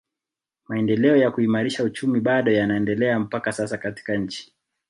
Maendeleo ya kuimarisha uchumi bado yanaendelea mpaka sasa katika nchi